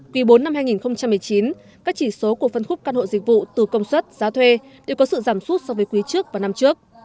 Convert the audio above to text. quý bốn năm hai nghìn một mươi chín các chỉ số của phân khúc căn hộ dịch vụ từ công suất giá thuê đều có sự giảm sút so với quý trước và năm trước